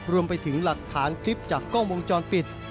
รวมไปถึงหลักฐานคลิปจากกล้องวงจรปิด